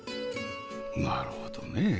なるほどね。